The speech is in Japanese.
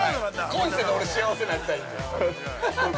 今世で、俺、幸せなりたいんで。